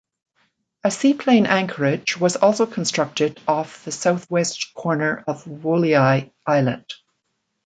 A seaplane anchorage was also constructed off the south-west corner of Woleai Islet.